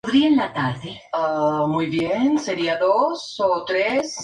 La localidad cuenta con una iglesia y una planta de celulosa.